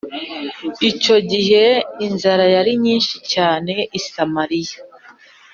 Icyo gihe inzara yari nyinshi cyane i Samariya